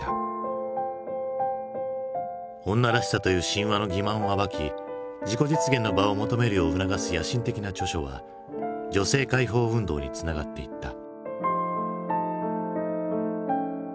「女らしさ」という神話の欺まんを暴き自己実現の場を求めるよう促す野心的な著書は女性解放運動につながっていった。